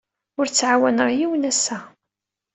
Ur ttɛawaneɣ yiwen ass-a.